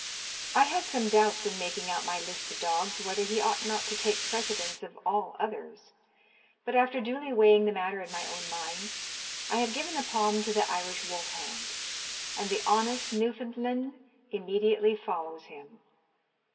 I had some doubts in making out my list of dogs, whether he ought not to take precedence of all others; but, after duly weighing the matter in my own mind, I have given the palm to the Irish wolf hound, and the honest Newfoundland immediately follows him.